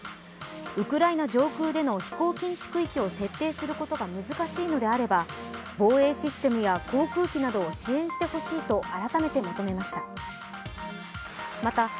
ウクライナ上空での飛行禁止区域を設定するのが難しいのであれば防衛システムや航空機などを支援してほしいと改めて求めました。